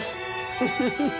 フフフフ。